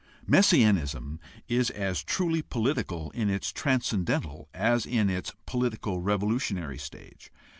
Messianism is as truly political in its transcendental as in its politico revolu tionary stage.